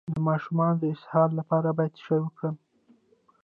د ماشوم د اسهال لپاره باید څه شی ورکړم؟